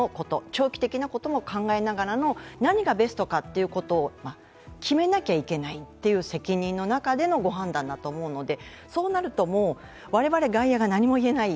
長期的なことも考えながらの、何がベストかというのを決めなきゃいけないという責任の中でのご判断だと思うので、そうなると我々外野が何も言えない。